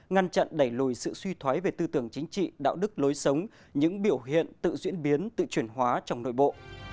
ngăn chặn đẩy lùi sự suy thoái về tư tưởng chính trị đạo đức lối sống những biểu hiện tự diễn biến tự chuyển hóa trong nội bộ